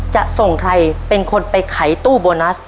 จะส่งใครเป็นคนไปไขตู้โบนัส